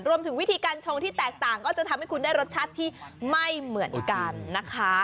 วิธีการชงที่แตกต่างก็จะทำให้คุณได้รสชาติที่ไม่เหมือนกันนะคะ